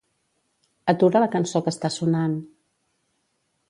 Atura la cançó que està sonant.